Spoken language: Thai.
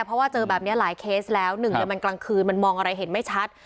เพราะว่าเจอแบบนี้หลายเคสแล้ว๑เดือนมันกลางคืนมันมองอะไรเห็นไม่ชัด